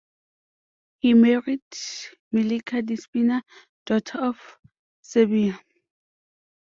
He married Milica Despina, daughter of Serbia.